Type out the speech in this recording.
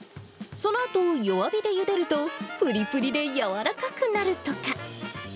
そのあと、弱火でゆでると、ぷりぷりで柔らかくなるとか。